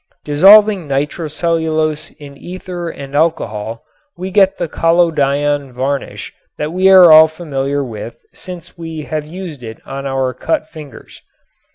Dissolving nitrocellulose in ether and alcohol we get the collodion varnish that we are all familiar with since we have used it on our cut fingers.